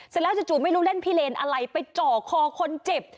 เสร็จแล้วจู่ไม่รู้เล่นพิเลนอะไรไปจ่อคอคนเจ็บ